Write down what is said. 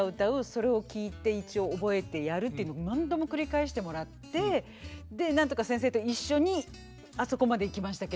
それを聴いて一応覚えてやるっていうの何度も繰り返してもらってでなんとか先生と一緒にあそこまでいきましたけど。